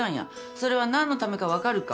それは何のためか分かるか？